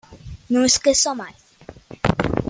Não esqueça mais